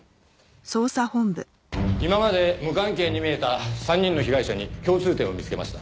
今まで無関係に見えた３人の被害者に共通点を見つけました。